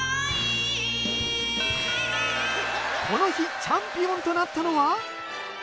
この日チャンピオンとなったのは。